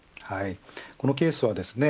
このケースはですね